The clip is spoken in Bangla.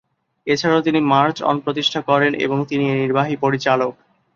এছাড়াও তিনি মার্চ অন প্রতিষ্ঠা করেন, এবং তিনি এর নির্বাহী পরিচালক।